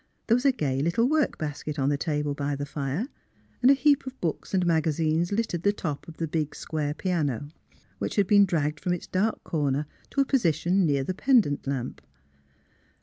There was a gay little work basket on the table by the fire, and a heap of books and magazines littered the top of the big square piano, which had been dragged from its dark corner to a position near the pendant lamp.